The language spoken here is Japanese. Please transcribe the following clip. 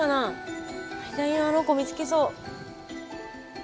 左のあの子見つけそう。